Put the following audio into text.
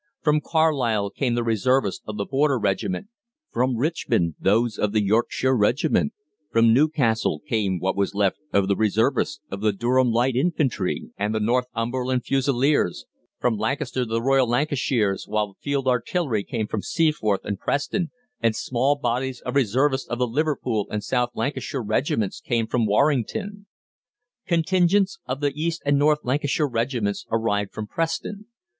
From Carlisle came the Reservists of the Border Regiment, from Richmond those of the Yorkshire Regiment, from Newcastle came what was left of the Reservists of the Durham Light Infantry, and the Northumberland Fusiliers, from Lancaster the Royal Lancashires, while field artillery came from Seaforth and Preston, and small bodies of Reservists of the Liverpool and the South Lancashire Regiments came from Warrington. Contingents of the East and North Lancashire Regiments arrived from Preston.